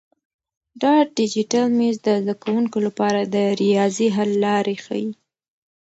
دا ډیجیټل مېز د زده کونکو لپاره د ریاضي حل لارې ښیي.